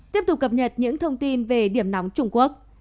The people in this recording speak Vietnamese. tiếp tục cập nhật những thông tin về điểm nóng trung quốc